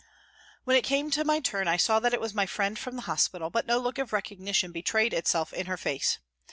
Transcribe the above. " When it came to my turn, I saw that it was my friend from the hospital, but no look of recognition betrayed itself in her face.